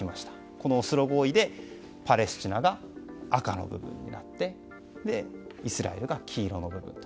このオスロ合意でパレスチナが赤の部分になってイスラエルが黄色の部分と。